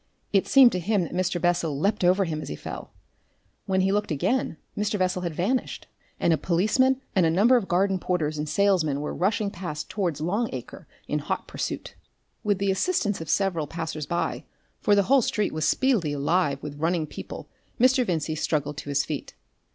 It seemed to him that Mr. Bessel leapt over him as he fell. When he looked again Mr. Bessel had vanished, and a policeman and a number of garden porters and salesmen were rushing past towards Long Acre in hot pursuit. With the assistance of several passers by for the whole street was speedily alive with running people Mr. Vincey struggled to his feet.